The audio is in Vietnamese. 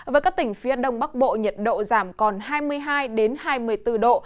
với các tỉnh phía đông bắc bộ nhiệt độ giảm còn hai mươi hai hai mươi bốn độ